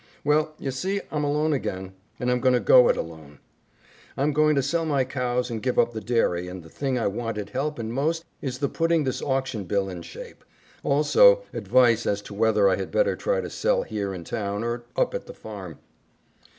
Well, you see I'm alone again, and I'm going to go it alone. I'm going to sell my cows and give up the dairy, and the thing I wanted help in most is the putting this auction bill in shape; also advice as to whether I had better try to sell here in town or up at the farm."